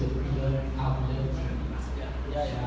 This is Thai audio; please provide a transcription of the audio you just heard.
คุณคิดว่าเกินเท่าไหร่หรือไม่เกินเท่าไหร่